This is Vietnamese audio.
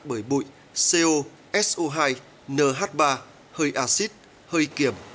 bởi bụi co so hai nh ba hơi acid hơi kiểm